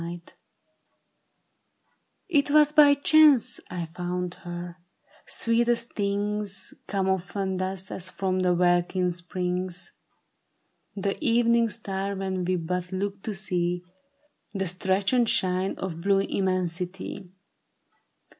It was by chance I found her ; sweetest things Come often thus, as from the welkin springs The evening star when we but look to see The stretch and shine of blue immensity.